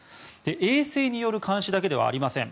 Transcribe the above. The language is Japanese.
衛星による監視だけではありません。